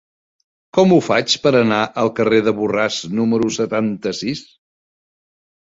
Com ho faig per anar al carrer de Borràs número setanta-sis?